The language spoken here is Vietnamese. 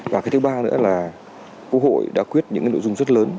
và cái thứ ba nữa là quốc hội đã quyết những nội dung rất lớn